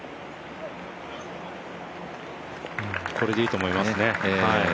これでいいと思いますね。